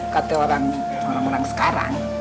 kata orang orang sekarang